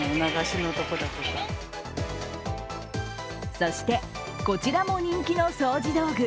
そして、こちらも人気の掃除道具